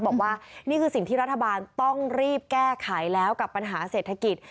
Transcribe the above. บอกว่านี่คือสิ่งที่รัฐบาลต้องรีบแก้ไขแล้วกับปัญหาเศรษฐกิจ